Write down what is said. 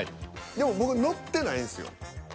でも僕ノってないんすよ。